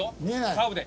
カーブで。